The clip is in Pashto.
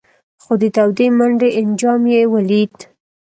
خو د تودې منډۍ انجام یې ولید.